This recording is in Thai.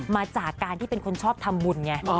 มาจากการที่เป็นคนชอบทำบุญไง